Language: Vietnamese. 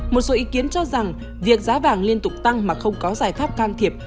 một số ý kiến cho rằng việc giá vàng liên tục tăng mà không có giải pháp can thiệp